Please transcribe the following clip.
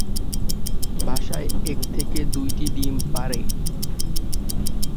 বাসায় এক থেকে দুইটি ডিম পাড়ে।